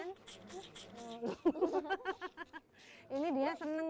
ini dia seneng dikasih minum tuh makasih pina